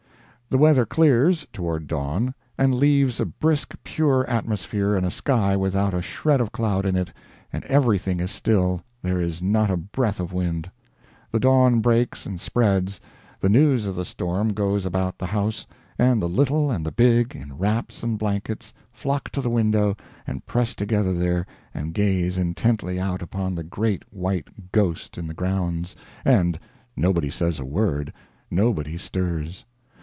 The weather clears, toward dawn, and leaves a brisk pure atmosphere and a sky without a shred of cloud in it and everything is still, there is not a breath of wind. The dawn breaks and spreads, the news of the storm goes about the house, and the little and the big, in wraps and blankets, flock to the window and press together there, and gaze intently out upon the great white ghost in the grounds, and nobody says a word, nobody stirs.